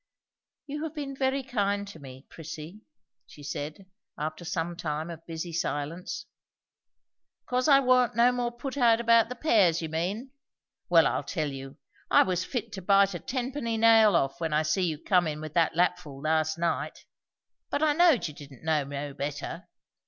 "You have been very kind to me, Prissy," she said, after some time of busy silence. "'Cause I warnt no more put out about the pears, you mean? Well, I'll tell you. I was fit to bite a tenpenny nail off, when I see you come in with that lapful last night. But I knowed you didn't know no better.